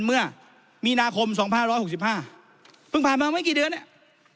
เส้นเมื่อมีนาคมสองพันร้อยหกสิบห้าเพิ่งผ่านมาไว้กี่เดือนเนี้ย